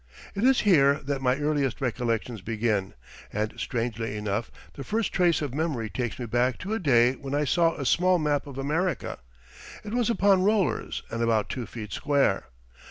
It is here that my earliest recollections begin, and, strangely enough, the first trace of memory takes me back to a day when I saw a small map of America. It was upon rollers and about two feet square.